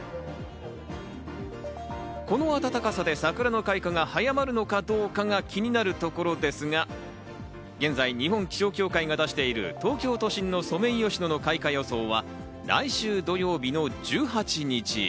この暖かさで桜の開花が早まるのかどうかが気になるところですが、現在、日本気象協会が出している東京都心のソメイヨシノの開花予想は来週土曜日の１８日。